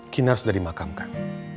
kinar sudah dimakamkan